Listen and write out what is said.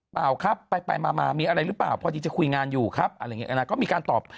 ป่าวครับมีอะไรหรือเปล่าพอดีจะคุยงานอยู่อะไรเงี่ยก็มีการตอบ